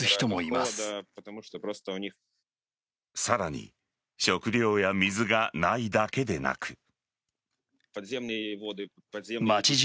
さらに食糧や水がないだけでなく。